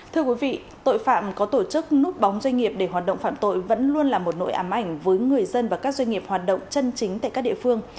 thưa quý vị tội phạm có tổ chức núp bóng doanh nghiệp để hoạt động phạm tội vẫn luôn là một nội ám ảnh với người dân và các doanh nghiệp hoạt động chân chính tại các địa phương